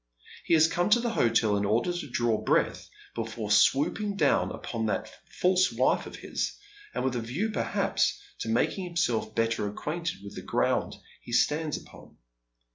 He has come to the hotel in order to draw breath before swooping down upon that false wife of his, and with a view, perhaps to making himself better acquainted with the ground he stands upon.